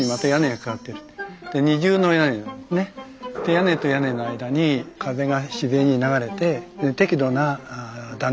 屋根と屋根の間に風が自然に流れて適度な断熱効果。